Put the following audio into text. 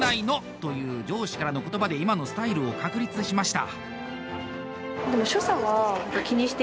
という上司からの言葉で今のスタイルを確立しました。